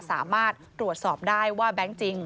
สามารถตรวจสอบได้ว่าแบงค์จริง